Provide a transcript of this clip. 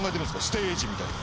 ステージみたいな。